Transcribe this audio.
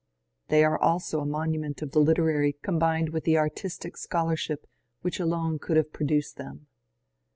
They are also a monument of the literary combined with the artistic scholarship which alone could have produced them.